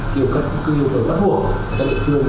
kêu cờ bắt buộc các địa phương